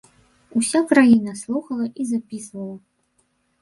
Уся краіна слухала і запісвала.